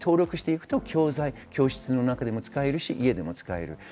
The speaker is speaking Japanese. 登録すると教材、教室の中でも使えるし、家でも使える。